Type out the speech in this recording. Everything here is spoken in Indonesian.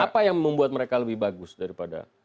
apa yang membuat mereka lebih bagus daripada